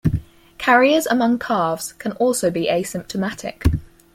Carriers among calves can also be asymptomatic.